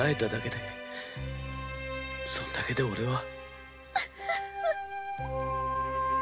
それだけでオレは。